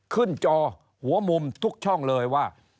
จอหัวมุมทุกช่องเลยว่า